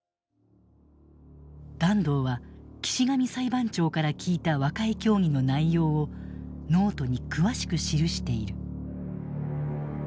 團藤は岸上裁判長から聞いた和解協議の内容をノートに詳しく記している。